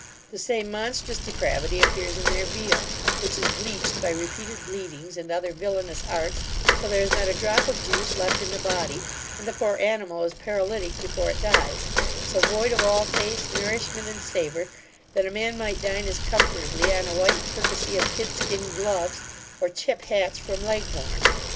The same monstrous depravity appears in their veal, which is bleached by repeated bleedings, and other villainous arts, till there is not a drop of juice left in the body, and the poor animal is paralytic before it dies; so void of all taste, nourishment, and savour, that a man might dine as comfortably on a white fricassee of kid skin gloves; or chip hats from Leghorn.